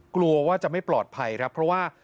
กลัวว่าจะไม่ปลอดภัยครับเพราะว่า